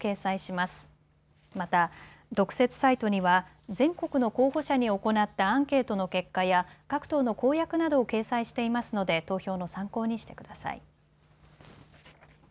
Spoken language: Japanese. また、特設サイトには全国の候補者に行ったアンケートの結果や各党の公約などを掲載していますので投票の参考にしてください。